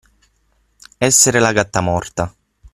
Essere la gatta morta.